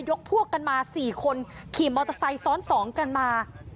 พวกกันมา๔คนขี่มอเตอร์ไซค์ซ้อน๒กันมา